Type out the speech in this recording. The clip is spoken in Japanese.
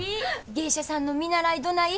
芸者さんの見習いどない？